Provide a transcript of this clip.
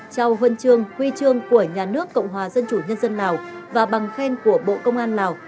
trao huân chương huy chương của nhà nước cộng hòa dân chủ nhân dân lào và bằng khen của bộ công an lào